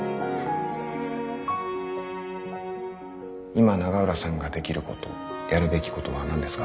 今永浦さんができることやるべきことは何ですか？